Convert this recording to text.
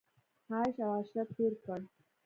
عیش او عشرت تېر کړ.